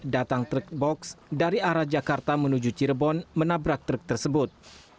datang truk box dari arah jakarta menuju cirebon menabrak truk tersebut